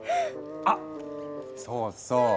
あっそうそう